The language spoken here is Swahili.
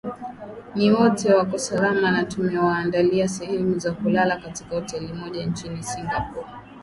ni wote wako salama na tumewaandalia sehemu za kulala katika hoteli moja nchini singapore